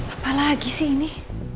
apa lagi sih ini